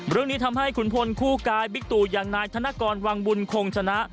เรื่องนี้ทำให้ขุนพลคู่กายบิ๊กตู่อย่างนายธนกรวังบุญคงชนะ